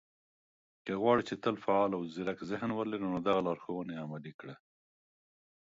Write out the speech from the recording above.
که غواړئ، چې تل فعال او ځيرک ذهن ولرئ، نو دغه لارښوونې عملي کړئ